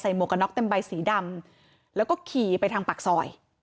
หวกกระน็อกเต็มใบสีดำแล้วก็ขี่ไปทางปากซอย